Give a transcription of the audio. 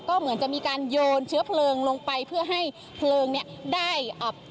ก็เหมือนจะมีการโยนเชื้อเพลิงลงไปเพื่อให้เพลิงเนี้ยได้อ่า